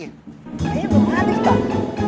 kayaknya belum habis pak